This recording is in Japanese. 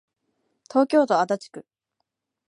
東京都足立区